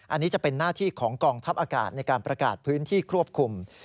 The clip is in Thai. อันนี้จะเป็นหน้าที่ของกองทัพอากาศในการประกาศพื้นที่ควบคุม